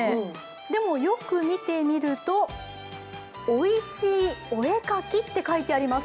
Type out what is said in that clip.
でもよく見てみると「おいしいおえかき」と書いてあります。